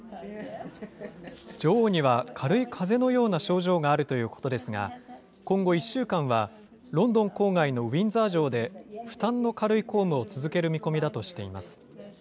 女王には軽いかぜのような症状があるということですが、今後１週間は、ロンドン郊外のウィンザー城で、負担の軽い公務を続ける見込みだとしています。